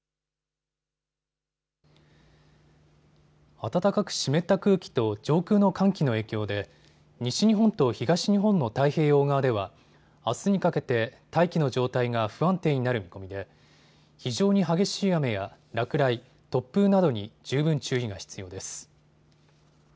暖かく湿った空気と上空の寒気の影響で西日本と東日本の太平洋側ではあすにかけて大気の状態が不安定になる見込みで非常に激しい雨や落雷、突風などに十分注意が必要です。